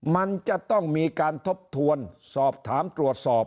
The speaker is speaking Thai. มันจะต้องมีการทบทวนสอบถามตรวจสอบ